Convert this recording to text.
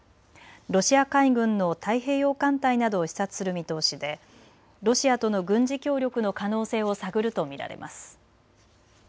ロシア海軍の太平洋艦隊などを視察する見通しでロシアとの軍事協力の可能性を探ると見られます。